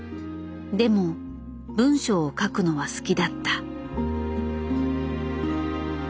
でも文章を書くのは好きだった。